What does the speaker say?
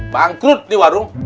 bangkrut di warung